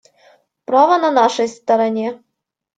Право на нашей стороне.